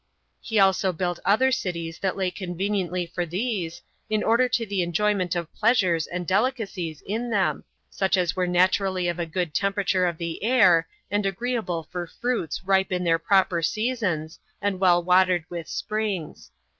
He also built other cities that lay conveniently for these, in order to the enjoyment of pleasures and delicacies in them, such as were naturally of a good temperature of the air, and agreeable for fruits ripe in their proper seasons, and well watered with springs.